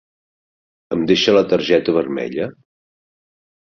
Em deixa la targeta vermella?